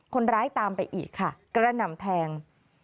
คนร้ายตามไปอีกค่ะกระหน่ำแทง